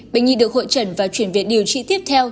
bệnh nhi được hội trần và chuyển viện điều trị tiếp theo